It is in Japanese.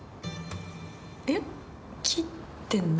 えっ？切ってない。